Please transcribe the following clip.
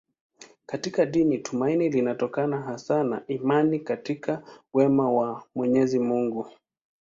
Katika dini tumaini linatokana hasa na imani katika wema wa Mwenyezi Mungu.